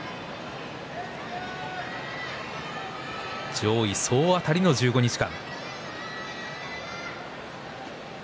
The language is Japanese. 上位総当たりの１５日間。